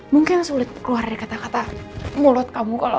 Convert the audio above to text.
mungkin sulit keluar dari kata kata mulut kamu